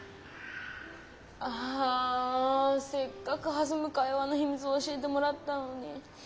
あせっかくはずむ会話のひみつを教えてもらったのに。